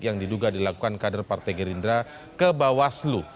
yang diduga dilakukan kader partai gerindra ke bawaslu